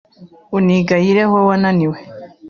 unigayire aho wananiwe